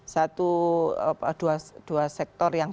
satu dua sektor yang